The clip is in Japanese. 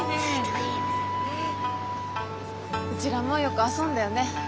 うちらもよく遊んだよね。